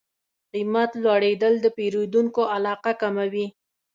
قیمت لوړېدل د پیرودونکو علاقه کموي.